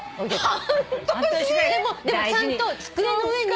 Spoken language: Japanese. でもちゃんと机の上に。